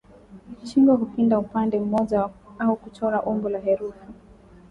Shingo hupinda upande mmoja au kuchora umbo la herufi